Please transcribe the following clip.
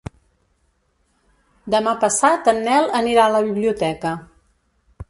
Demà passat en Nel anirà a la biblioteca.